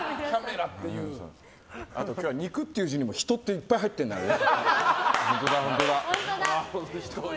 後、今日は「肉」っていう字にも「人」っていっぱい入ってるからね。